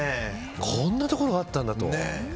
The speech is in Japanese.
こんなところがあったんだと。